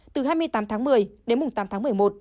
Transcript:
từ hai mươi tám tháng một mươi đến mùng tám tháng một mươi một